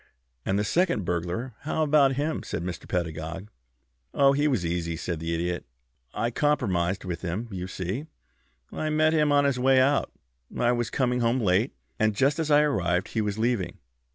"And the second burglar. How about him?" asked Mr. Pedagog. "Oh, he was easy," said the Idiot. "I compromised with him. You see, I met him on his way out. I was coming home late, and just as I arrived he was leaving.